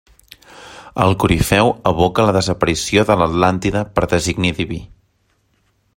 El corifeu evoca la desaparició de l'Atlàntida per designi diví.